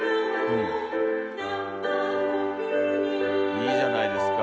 いいじゃないですか。